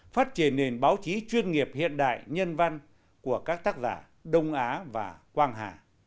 phát triển nền báo chí chuyên nghiệp hiện đại nhân văn của các tác giả đông á và quang hà